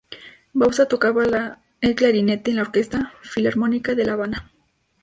Bauzá tocaba el clarinete en la Orquesta Filarmónica de La Habana.